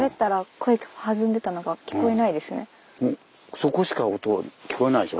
そこしか音聞こえないでしょ。